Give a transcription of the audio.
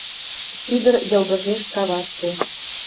Шӱдыр йылгыжеш каваште